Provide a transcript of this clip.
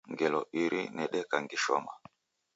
Ngelo iro nedeka ngishoma